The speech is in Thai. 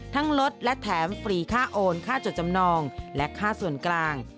ลดและแถมฟรีค่าโอนค่าจดจำนองและค่าส่วนกลาง